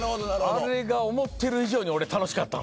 あれが思ってる以上に俺楽しかったんすよ。